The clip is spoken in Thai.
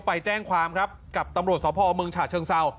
ไปแจ้งความครับกับตำรวจสพเมืองฉะเชิงเซา